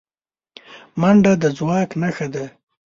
منډه د ځواک نښه ده